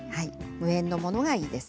無塩のものがいいです。